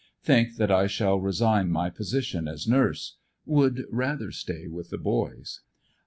Think that I shall resign my position as nurse. Would rather stay with the "boys."